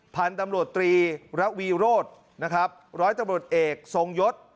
พันธุ์ตำรวจตรีระวีโรธนะครับร้อยตำรวจเอกทรงยศ